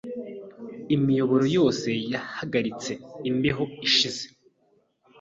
Imiyoboro yose yahagaritse imbeho ishize.